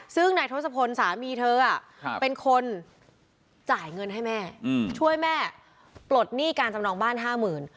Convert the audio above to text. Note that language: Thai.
ซึ่งนายทศพลสามีเธอเป็นคนจ่ายเงินให้แม่ช่วยแม่ปลดหนี้การจำนองบ้านห้าหมื่น